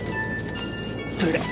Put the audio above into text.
トイレ。